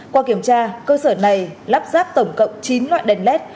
qua kiểm tra cơ sở này lắp ráp tổng cộng chín loại đèn led